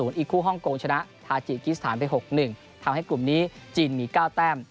อีกคู่ฮ่องกงชนะทาจิกิสถานไป๖๑ทำให้กลุ่มนี้จีนมี๙แต้ม